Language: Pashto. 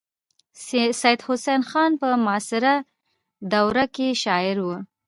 سید حسن خان په معاصره دوره کې شاعر و.